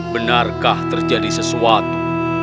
benarkah terjadi sesuatu